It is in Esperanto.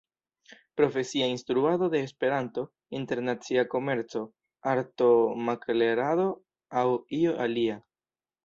profesia instruado de Esperanto, internacia komerco, arto-maklerado aŭ io alia.